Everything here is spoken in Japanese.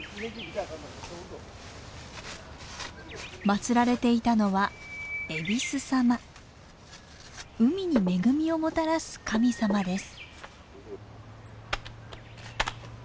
祭られていたのは海に恵みをもたらす神様です。